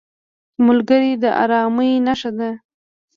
ملګری د ارامۍ نښه ده